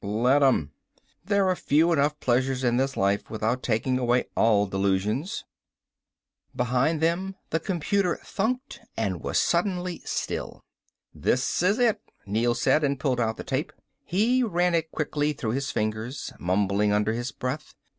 "Let them. There are few enough pleasures in this life without taking away all delusions." Behind them the computer thunked and was suddenly still. "This is it," Neel said, and pulled out the tape. He ran it quickly through his fingers, mumbling under his breath.